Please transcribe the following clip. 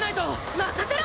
任せろ！